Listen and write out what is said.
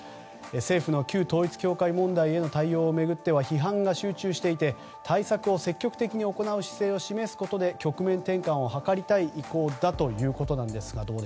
政府の旧統一教会への対応を巡っては批判が集中していて対策を積極的に行う姿勢を示すことで局面転換を図りたい意向だということです。